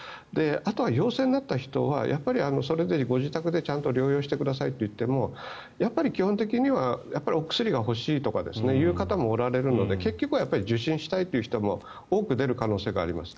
あとは陽性になった人はそれぞれご自宅でちゃんと療養してくださいと言ってもやっぱり基本的にはお薬が欲しいという方もおられるので結局は受診したいという人も多く出る可能性があります。